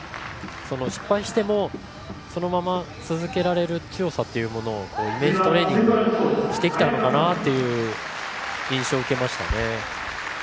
失敗しても、そのまま続けられる強さをイメージトレーニングしてきた印象を受けましたね。